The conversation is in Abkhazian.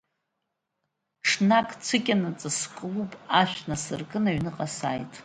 Ҽнак, цәыкьанаҵ, склуб ашә насыркын, аҩныҟа сааит.